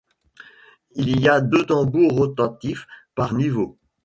Il y a deux tambours rotatifs par niveau.